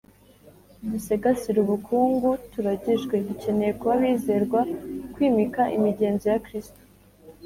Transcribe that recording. dusegasire ubukungu turagijwe. dukeneye kuba ‘abizerwa’, kwimika imigenzo ya kristu